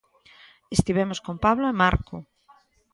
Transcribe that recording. Estivemos con Pablo e Marco.